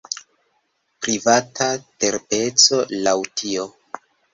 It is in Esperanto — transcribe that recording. Privata terpeco, laŭ tio.